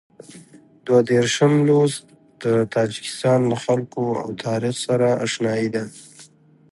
دوه دېرشم لوست د تاجکستان له خلکو او تاریخ سره اشنايي ده.